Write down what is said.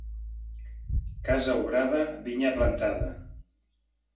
Casa obrada, vinya plantada.